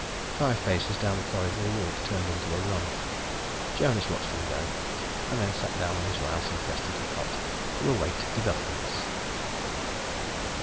Five paces down the corridor, the walk turned into a run. Jonas watched him go, and then sat down on his louse infested cot to await developments.